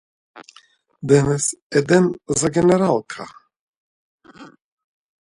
Тоа спаѓа во социологијата на уметноста и тука има различни случаи.